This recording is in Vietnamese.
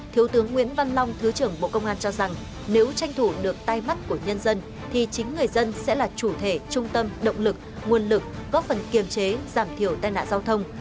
thiếu tướng nguyễn văn long thứ trưởng bộ công an cho rằng nếu tranh thủ được tay mắt của nhân dân thì chính người dân sẽ là chủ thể trung tâm động lực nguồn lực góp phần kiềm chế giảm thiểu tai nạn giao thông